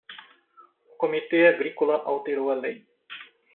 O Comitê Agrícola alterou a lei